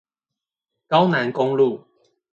高楠公路